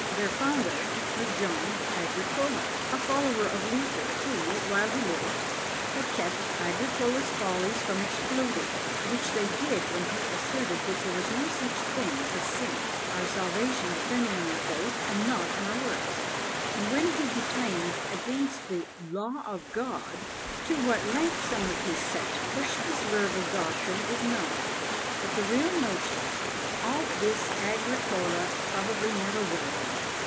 Their founder was John Agricola, a follower of Luther, who, while he lived, had kept Agricola's follies from exploding, which they did when he asserted that there was no such thing as sin, our salvation depending on faith, and not on works; and when he declaimed against the Law of God. To what length some of his sect pushed this verbal doctrine is known; but the real notions of this Agricola probably never will be!